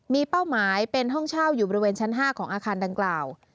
มีเป้าหมายเป็นห้องเช่าอยู่บริเวณชั้น๕ของอาคารดังกล่าว